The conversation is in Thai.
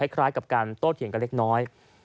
คล้ายกับการโต้เถียงกันเล็กน้อย